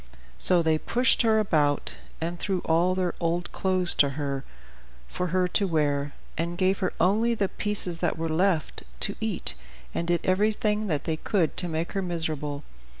So they pushed her about, and threw all their old clothes to her for her to wear, and gave her only the pieces that were left to eat, and did everything that they could to make her miserable.